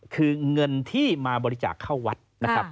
คือเงินที่มาบริจาคเข้าวัดนะครับ